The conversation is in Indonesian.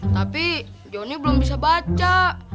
tapi johnny belum bisa baca